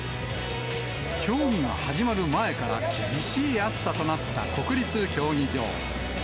競技が始まる前から厳しい暑さとなった国立競技場。